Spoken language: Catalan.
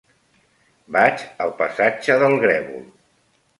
Vaig al passatge del Grèvol.